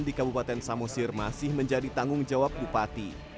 di kabupaten samosir masih menjadi tanggung jawab bupati